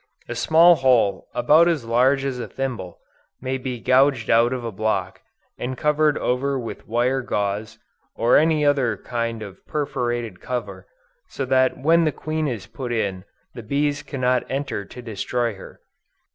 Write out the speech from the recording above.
A small hole, about as large as a thimble, may be gouged out of a block, and covered over with wire gauze, or any other kind of perforated cover, so that when the queen is put in, the bees cannot enter to destroy her.